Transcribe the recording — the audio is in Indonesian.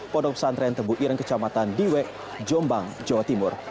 pondok pesantren tebu ireng kecamatan diwek jombang jawa timur